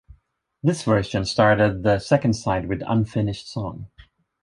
This version started the second side with "Unfinished Song".